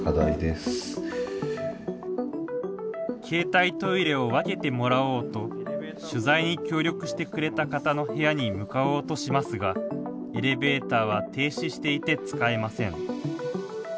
携帯トイレを分けてもらおうと取材に協力してくれた方の部屋に向かおうとしますがエレベーターは停止していて使えません。